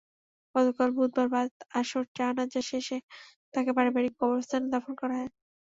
গতকাল বুধবার বাদ আসর জানাজা শেষে তাঁকে পারিবারিক কবরস্থানে দাফন করা হয়।